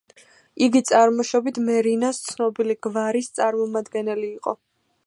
იგი წარმოშობით მერინას ცნობილი გვარის წარმომადგენელი იყო.